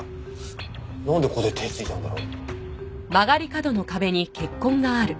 なんでここで手をついたんだろ？